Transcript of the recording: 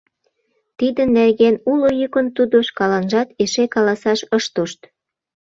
Тидын нерген уло йӱкын тудо шкаланжат эше каласаш ыш тошт.